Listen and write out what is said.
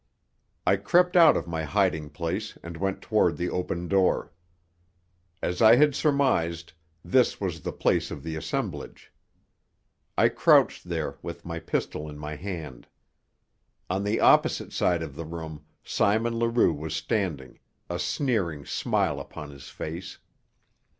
I crept out of my hiding place and went toward the open door. As I had surmised, this was the place of the assemblage. I crouched there, with my pistol in my hand. On the opposite side of the room Simon Leroux was standing, a sneering smile upon his face.